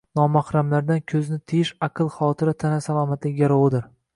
Nomahramlardan ko‘zni tiyish aql, xotira, tana salomatligi garovidir.